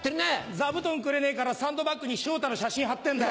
座布団くれねえからサンドバッグに昇太の写真貼ってんだ。